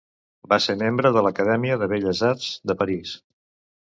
Va ser membre de l'Acadèmia de Belles arts, de París.